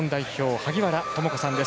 萩原智子さんです。